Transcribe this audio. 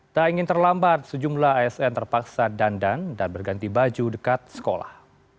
tak ingin terlambat sejumlah asn terpaksa dandan dan berganti baju dekat sekolah